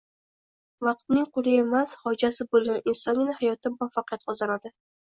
Vaqtning quli emas, xojasi bo‘lgan insongina hayotda muvaffaqiyat qozonadi...